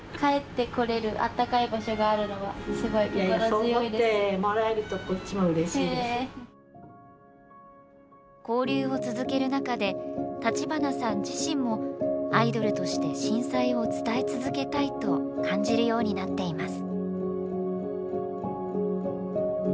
そう思ってもらえると交流を続ける中で橘さん自身もアイドルとして震災を伝え続けたいと感じるようになっています